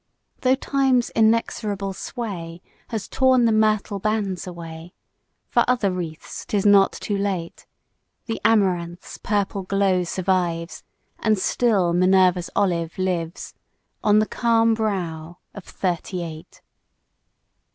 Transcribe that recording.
Though Time's inexorable sway Has torn the myrtle bands away, For other wreaths 'tis not too late, The amaranth's purple glow survives, And still Minerva's olive lives On the calm brow of Thirty eight.